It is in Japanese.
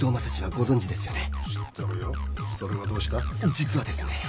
実はですね。